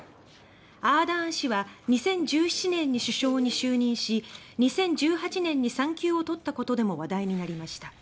アーダーン氏は２０１７年に首相に就任し２０１８年に産休を取ったことでも話題になりました。